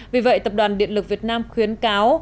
vì vậy tập đoàn điện lực việt nam khuyến cáo